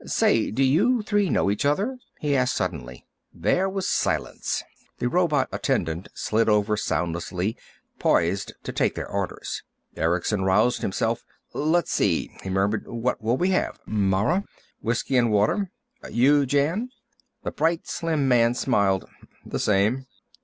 "Say, do you three know each other?" he asked suddenly. There was silence. The robot attendant slid over soundlessly, poised to take their orders. Erickson roused himself. "Let's see," he murmured. "What will we have? Mara?" "Whiskey and water." "You, Jan?" The bright slim man smiled. "The same."